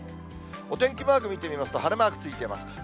お天気マーク見てみますと、晴れマークついてます。